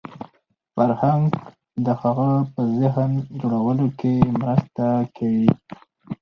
فرهنګ د هغه په ذهن جوړولو کې مرسته کوي